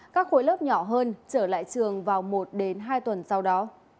các khối lớp nhỏ hơn trở lại trường vào một hai tuần sau đó